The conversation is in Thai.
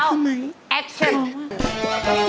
ทำไมแอคชั่น